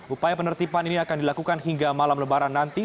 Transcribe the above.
upaya penertiban ini akan dilakukan hingga malam lebaran nanti